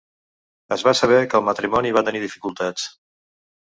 Es va saber que el matrimoni va tenir dificultats.